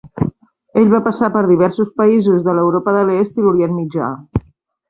Ell va passar per diversos països de l'Europa de l'Est i l'Orient Mitjà.